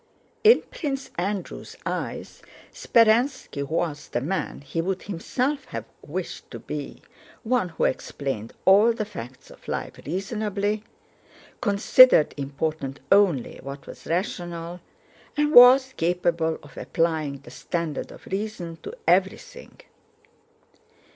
In Prince Andrew's eyes Speránski was the man he would himself have wished to be—one who explained all the facts of life reasonably, considered important only what was rational, and was capable of applying the standard of reason to everything.